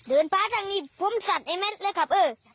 อือผมสัตว์ให้หมดเลยครับ